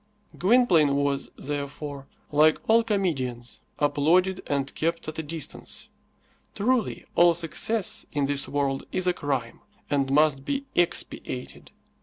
Gwynplaine was, therefore, like all comedians, applauded and kept at a distance. Truly, all success in this world is a crime, and must be expiated.